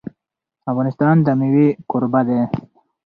افغانستان د مېوې کوربه دی.